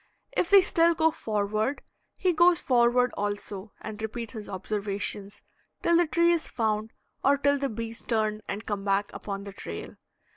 If they still go forward, he goes forward also and repeats his observations till the tree is found or till the bees turn and come back upon the trail.